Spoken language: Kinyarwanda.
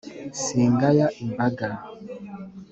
singaya imbaga